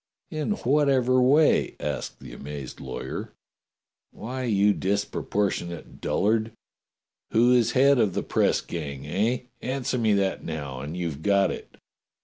"In whatever way?" asked the amazed lawyer. "\Miy, you disproportionate dullard! ^Mio is head of the press gang, eh.^ Answer me that now, and you've got it."